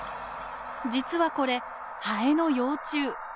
実はこれハエの幼虫。